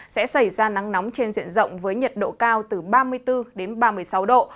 sẽ xảy ra nắng nóng trên diện rộng với nhiệt độ cao từ ba mươi bốn đến ba mươi sáu độ